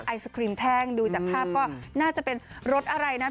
ไอศครีมแท่งดูจากภาพก็น่าจะเป็นรสอะไรนะ